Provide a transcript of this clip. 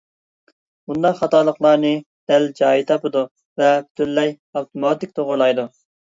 بۇنداق خاتالىقلارنى دەل جايىدا تاپىدۇ ۋە پۈتۈنلەي ئاپتوماتىك توغرىلايدۇ.